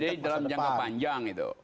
jadi dalam jangka panjang itu